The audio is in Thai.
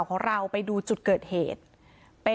นางศรีพรายดาเสียยุ๕๑ปี